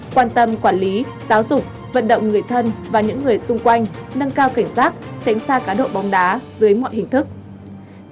quan tâm quản lý giáo dục vận động người thân và những người xung quanh nâng cao cảnh giác tránh xa cá độ bóng đá dưới mọi hình thức